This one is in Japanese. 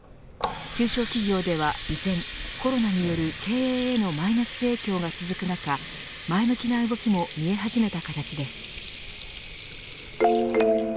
中小企業では依然コロナによる経営のマイナス影響が続く中前向きな動きも見え始めた形です。